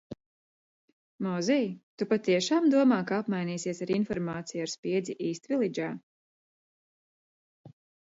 Mozij, tu patiešām domā, ka apmainīsies ar informāciju ar spiedzi Īstvilidžā?